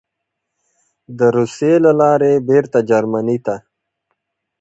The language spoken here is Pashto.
د روسیې له لارې بېرته جرمني ته: